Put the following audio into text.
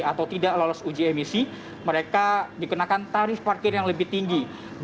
atau tidak lolos uji emisi mereka dikenakan tarif parkir yang lebih tinggi